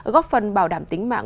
góp phần bảo đảm tính mạng